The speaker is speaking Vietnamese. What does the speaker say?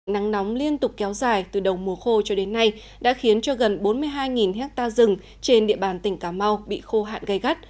nắng nóng liên tục kéo dài từ đầu mùa khô cho đến nay đã khiến cho gần bốn mươi hai ha rừng trên địa bàn tỉnh cà mau bị khô hạn gây gắt